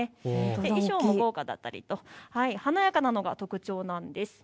衣装も豪華だったりと華やかなのが特徴なんです。